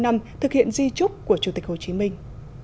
năm mươi năm năm thực hiện di trúc của chủ tịch hồ chí minh